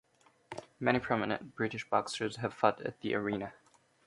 Many prominent British boxers have fought at the Arena.